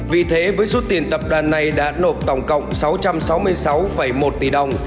vì thế với số tiền tập đoàn này đã nộp tổng cộng sáu trăm sáu mươi sáu một tỷ đồng